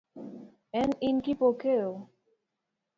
En in Kipokeo?